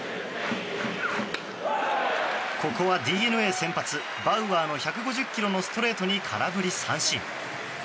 ここはＤｅＮＡ先発バウアーの１５０キロのストレートに空振り三振。